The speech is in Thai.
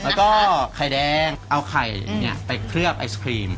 แล้วก็ไข่แดงเอาไข่ไปเคลือบไอศครีม